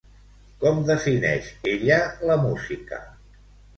Com defineix ella la música?